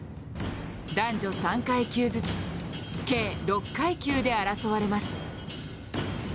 男女３階級ずつ計６階級で争われます。